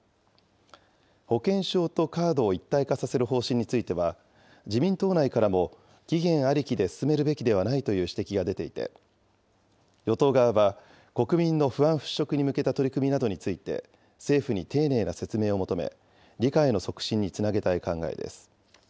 保険証とカードを一体化させる方針については、自民党内からも、期限ありきで進めるべきではないという指摘が出ていて、与党側は、国民の不安払拭に向けた取り組みなどについて、政府に丁寧な説明を求め、理解の促進につなげたい考えです。